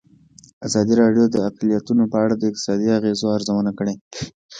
ازادي راډیو د اقلیتونه په اړه د اقتصادي اغېزو ارزونه کړې.